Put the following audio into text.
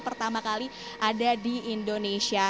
pertama kali ada di indonesia